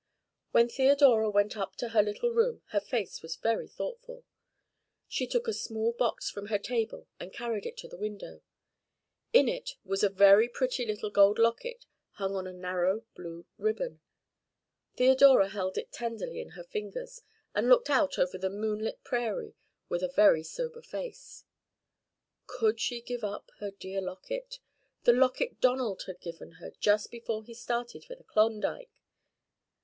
When Theodora went up to her little room her face was very thoughtful. She took a small box from her table and carried it to the window. In it was a very pretty little gold locket hung on a narrow blue ribbon. Theodora held it tenderly in her fingers, and looked out over the moonlit prairie with a very sober face. Could she give up her dear locket the locket Donald had given her just before he started for the Klondike?